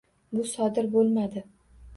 Bu sodir bo'lmadi